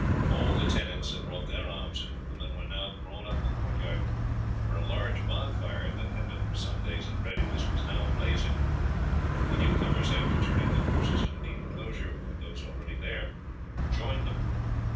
All the tenants had brought their arms in with them, and were now drawn up in the court yard, where a large bonfire, that had been for some days in readiness, was now blazing. The new comers, after turning their horses into the inclosure with those already there, joined them.